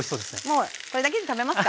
もうこれだけで食べますか？